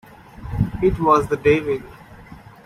It was the devil!